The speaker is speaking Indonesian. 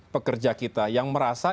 pekerja kita yang merasa